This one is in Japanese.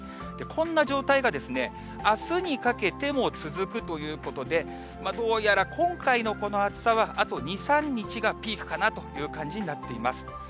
こんな状態があすにかけても続くということで、どうやら今回のこの暑さは、あと２、３日がピークかなという感じになっています。